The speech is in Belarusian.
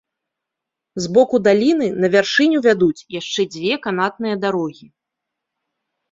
З боку даліны на вяршыню вядуць яшчэ дзве канатныя дарогі.